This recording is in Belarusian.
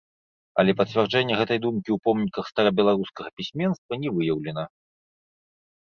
Але пацвярджэння гэтай думкі ў помніках старабеларускага пісьменства не выяўлена.